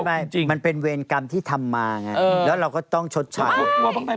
ไม่มันเป็นเวรกรรมที่ทำมาไง